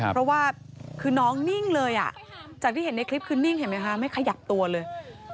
เพราะว่าคือน้องนิ่งเลยจากที่เห็นในคลิปคือนิ่งเห็นไหมคะไม่ขยับตัวเลย